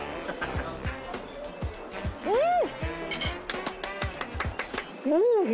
うん！